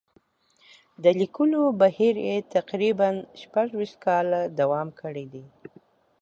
د لیکلو بهیر یې تقریباً شپږ ویشت کاله دوام کړی دی.